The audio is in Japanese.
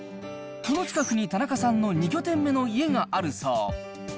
この近くに田中さんの２拠点目の家があるそう。